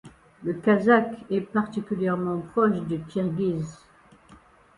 Le kazakh est particulièrement proche du kirghiz.